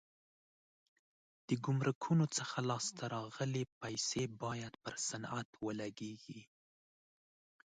د ګمرکونو څخه لاس ته راغلي پیسې باید پر صنعت ولګېږي.